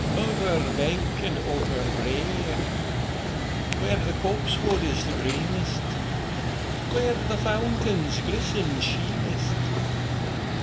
Over bank and over brae! Where the copsewood is the greenest. Where the fountains glisten sheenest.